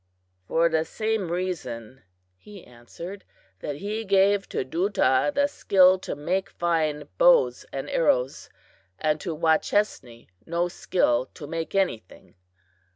"For the same reason," he answered, "that he gave to Duta the skill to make fine bows and arrows, and to Wachesne no skill to make anything."